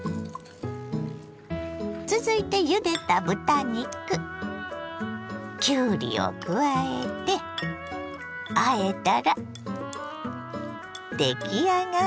続いてゆでた豚肉きゅうりを加えてあえたら出来上がりです。